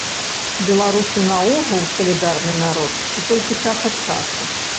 Беларусы наогул салідарны народ ці толькі час ад часу?